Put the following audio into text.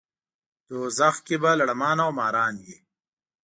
دوزخ کې به لړمان او ماران وي.